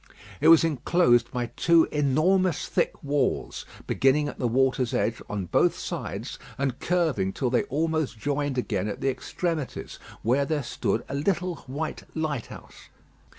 It was enclosed by two enormous thick walls, beginning at the water's edge on both sides, and curving till they almost joined again at the extremities, where there stood a little white lighthouse.